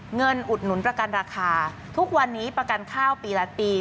อุดหนุนประกันราคาทุกวันนี้ประกันข้าวปีละปี